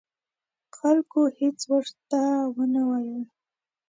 خلکو هېڅ ورته ونه ویل.